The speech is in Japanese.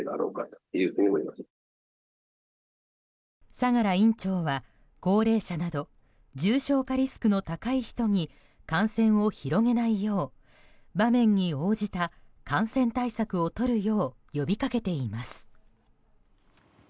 相良院長は高齢者など重症化リスクの高い人に感染を広げないよう場面に応じた感染対策をとるよう呼びかけています。